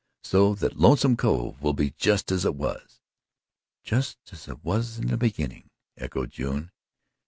"So that Lonesome Cove will be just as it was." "Just as it was in the beginning," echoed June.